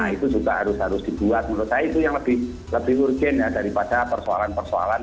itu juga harus harus dibuat menurut saya itu yang lebih lebih urgent ya daripada persoalan persoalan